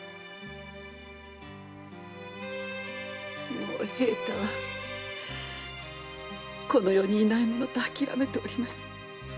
もう平太はこの世にいないものと諦めております。